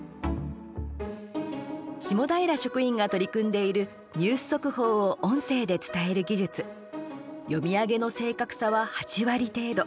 下平職員が取り組んでいるニュース速報を音声で伝える技術読み上げの正確さは８割程度。